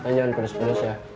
pokoknya dia air muntah